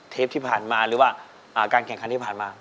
เทปที่ผ่านมาหรือว่าการแข่งขันที่ผ่านมา